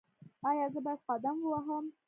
ایا زه باید قدم ووهم؟